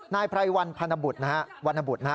นายไพรวรรณพันบุตรนะฮะ